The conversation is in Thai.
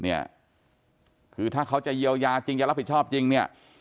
เนี่ยคือถ้าเขาจะเยียวยาจริงจะรับผิดชอบจริงเนี่ย